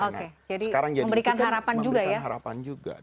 oke jadi memberikan harapan juga ya